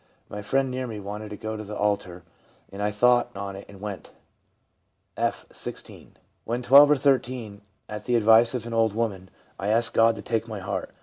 My friend near me wanted me to go to the altar, and I thought on it and went.' F., 16. 'When 12 or 13, at the advice of an old woman, I asked God to take my heart.